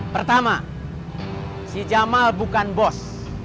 pertama si jamal bukan bos